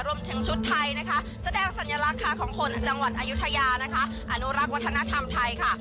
ชุดไทยนะคะแสดงสัญลักษณ์ค่ะของคนจังหวัดอายุทยานะคะอนุรักษ์วัฒนธรรมไทยค่ะ